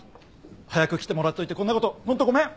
早く来てもらっといてこんなことホントごめん！